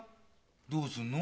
どうすんの？